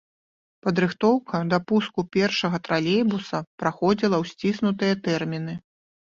Падрыхтоўка да пуску першага тралейбуса праходзіла ў сціснутыя тэрміны.